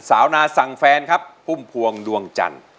นาสั่งแฟนครับพุ่มพวงดวงจันทร์